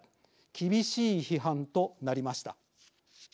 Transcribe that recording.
厳しい批判となりました。